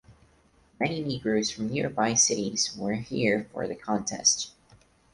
Many negroes from nearby cities were here for the contest.